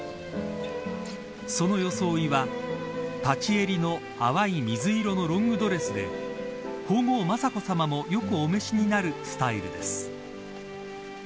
その装いは立ち襟の淡い水色のロングドレスで皇后雅子さまもよくお召しになるスタイルです。